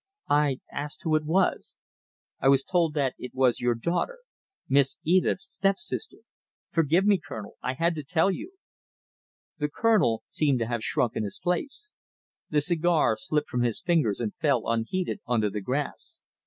"I asked who it was. I was told that it was your daughter! Miss Edith's step sister! Forgive me, Colonel! I had to tell you!" The Colonel seemed to have shrunk in his place. The cigar slipped from his fingers and fell unheeded on to the grass.